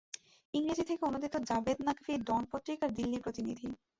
ইংরেজি থেকে অনূদিত জাবেদ নাকভি ডন পত্রিকার দিল্লি প্রতিনিধি